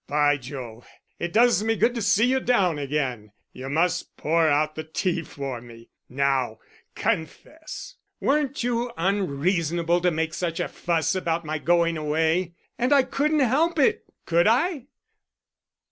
"By Jove, it does me good to see you down again. You must pour out the tea for me.... Now, confess; weren't you unreasonable to make such a fuss about my going away? And I couldn't help it, could I?"